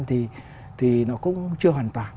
thì nó cũng chưa hoàn toàn